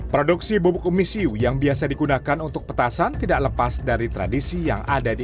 produksi bubuk umi siu yang biasa digunakan untuk petasan tidak lepas dari tradisi yang ada di